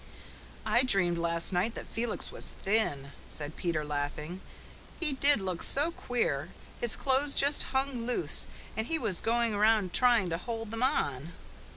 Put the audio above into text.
"I dreamed last night that Felix was thin," said Peter, laughing. "He did look so queer. His clothes just hung loose, and he was going round trying to hold them on."